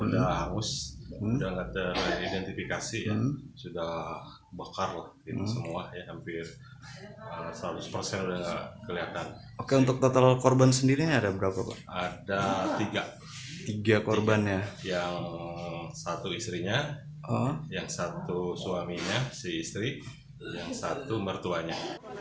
yang satu istrinya yang satu suaminya si istri yang satu mertuanya